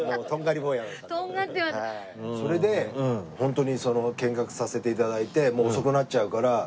それでホントにその見学させて頂いてもう遅くなっちゃうから。